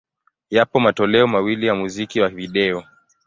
Yapo matoleo mawili ya muziki wa video.